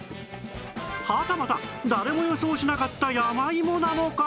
はたまた誰も予想しなかった山芋なのか？